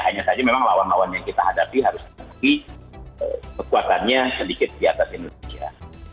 hanya saja memang lawan lawan yang kita hadapi harus memiliki kekuatannya sedikit di atas indonesia